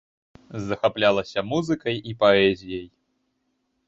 Захаплялася музыкай і паэзіяй.